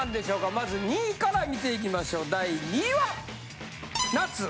まず２位から見ていきましょう第２位は！